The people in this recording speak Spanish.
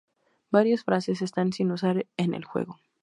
Varias frases están sin usar en el juego.